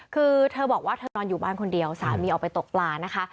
คือเธอบอกว่าเธอนอนอยู่บ้านคนเดียวสามีออกไปตกปลานะคะ